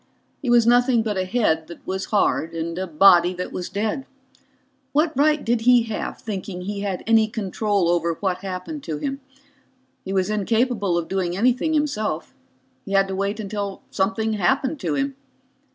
He was nothing but a head that was hard and a body that was dead. What right did he have thinking he had any control over what happened to him? He was incapable of doing anything himself he had to wait until something happened to him.